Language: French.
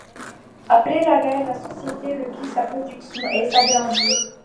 Après la guerre, la société reprit sa production et s'agrandit.